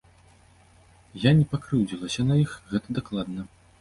Я не пакрыўдзілася на іх, гэта дакладна.